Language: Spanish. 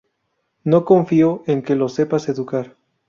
no confío en que los sepas educar